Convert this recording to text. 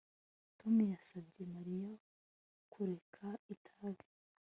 Tom yasabye Mariya kureka itabi